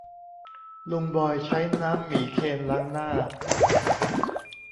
ลุงบอยใช้น้ำหมีเคนล้างหน้า